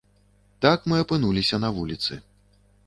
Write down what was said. Так мы апынуліся на вуліцы.